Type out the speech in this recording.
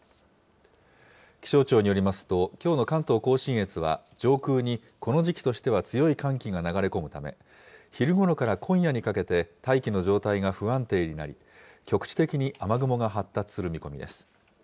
気象庁によりますと、きょうの関東甲信越は、上空にこの時期としては強い寒気が流れ込むため、昼ごろから今夜にかけて、大気の状態が不安定になり、局地的に雨雲が発達する見込みです。